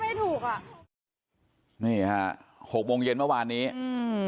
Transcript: ไม่ถูกอ่ะนี่ฮะหกโมงเย็นเมื่อวานนี้อืม